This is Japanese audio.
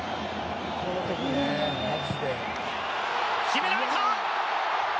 決められた！